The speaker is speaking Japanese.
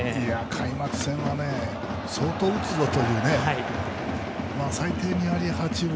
開幕戦は相当打つぞという最低２割８分